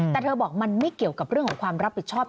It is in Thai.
แต่เธอบอกมันไม่เกี่ยวกับเรื่องของความรับผิดชอบ